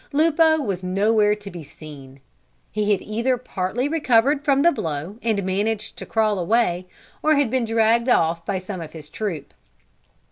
Lupo was nowhere to be seen. He had either partly recovered from the blow, and had managed to crawl away, or had been dragged off by some of his troop.